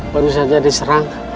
baru saja diserang